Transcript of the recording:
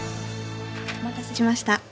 お待たせしました。